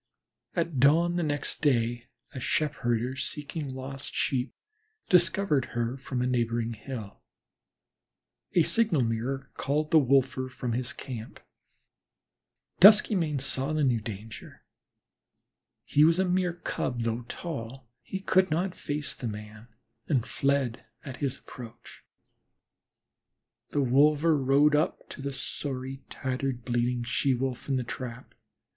At dawn the next day a sheepherder seeking lost Sheep discovered her from a neighboring hill. A signal mirror called the wolver from his camp. Duskymane saw the new danger. He was a mere Cub, though so tall; he could not face the man, and fled at his approach. The wolver rode up to the sorry, tattered, bleeding She wolf in the trap.